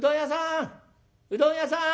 うどん屋さん！